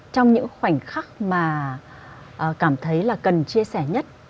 trong những khoảnh khắc mà cảm thấy là cần chia sẻ nhất